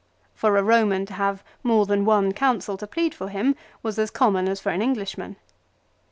For a Roman to have more than one counsel to plead for him. was as common as for an Englishman.